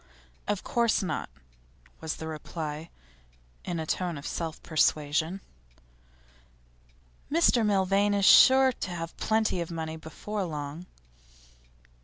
'Of course not,' was the reply, in a tone of self persuasion. 'Mr Milvain is sure to have plenty of money before long.